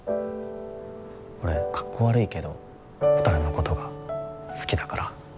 俺かっこ悪いけどほたるのことが好きだから。